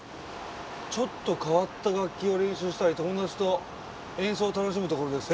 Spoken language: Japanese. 「ちょっと変わった楽器を練習したり友達と演奏を楽しむところです」。